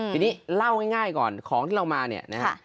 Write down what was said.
ทีนี้เล่าง่ายก่อนของที่เรามาเนี่ยนะฮะ